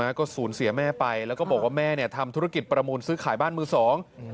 ก็สูญเสียแม่ไปแล้วก็บอกว่าแม่เนี่ยทำธุรกิจประมูลซื้อขายบ้านมือสองอืม